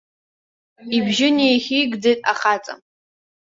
Ибжьы неихьигӡеит ахаҵа.